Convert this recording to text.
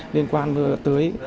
liên quan tới